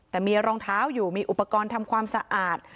แต่มีรองเท้าอยู่มีอุปกรณ์ทำความสะอาด